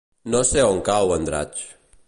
No sé on cau Andratx.